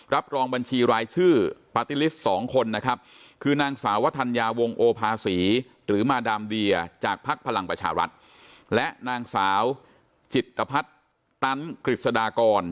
รับรองบัญชีรายชื่อปาร์ติลิสต์๒คนนะครับคือนางสาววทันยาวงโอภาษีหรือมาดามเดียจากภัคพลังประชารัฐแสนนางสาวจิตภัษตรรศกฤทธิกษากร